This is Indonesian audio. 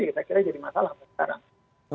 kita kira jadi masalah sekarang